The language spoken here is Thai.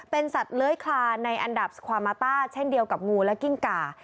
เป็นสัตว์เลื้อยคลานในอันดับสความาต้าเช่นเดียวกับงูและกิ้งก่า